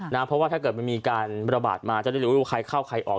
เพราะว่าถ้าเกิดมันมีการระบาดมาจะได้รู้ว่าใครเข้าใครออก